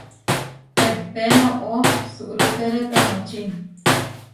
Tehté noʼó suʼrútere tonočí.